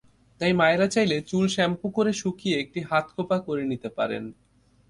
তাই মায়েরা চাইলে চুল শ্যাম্পু করে শুকিয়ে একটি হাতখোঁপা করে নিতে পারেন।